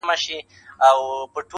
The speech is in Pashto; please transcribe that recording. شپه ده تياره ده خلک گورې مه ځه_